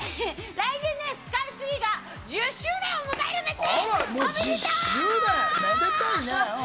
来年でスカイツリーが１０周年を迎えるんだって。